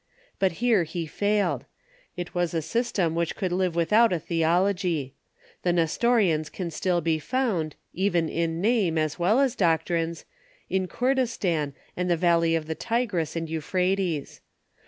But here he failed. It was a system which could live without a theology. The Nestorians can still be found, even in name as well as doctrines, in Koordistan and the valley of the Tigris and Euphrates.